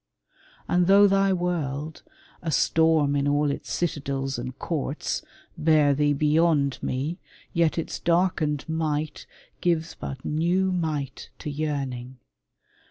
And though thy world, 54 TASSO TO LEONORA A storm in all its citadels and courts, Bear thee beyond me, yet its darkened might Gives but new might to yearning.